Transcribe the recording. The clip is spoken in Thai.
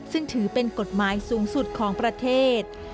ซึ่งถือเป็นกฎหมายสูงสุดของประเทศ